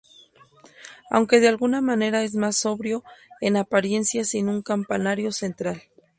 Aunque de alguna manera es más sobrio en apariencia sin un campanario central.